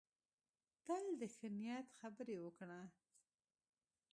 تل د ښه نیت خبرې وکړه.